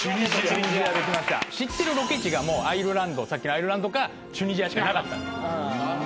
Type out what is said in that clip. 知ってるロケ地がさっきのアイルランドかチュニジアしかなかったんで。